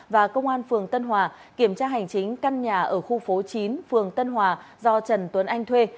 và công an phường tân hòa kiểm tra hành chính căn nhà ở khu phố chín phường tân hòa do trần tuấn anh thuê